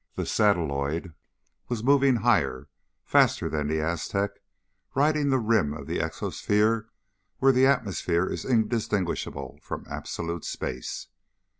The satelloid was moving higher, faster than the Aztec, riding the rim of the exosphere where the atmosphere is indistinguishable from absolute space.